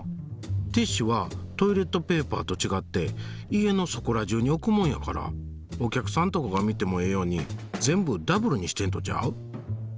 ティッシュはトイレットペーパーと違って家のそこら中に置くもんやからお客さんとかが見てもええように全部ダブルにしてんとちゃう？